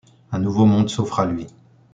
Un nouveau monde s'offre à lui.